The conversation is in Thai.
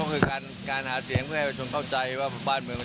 อืม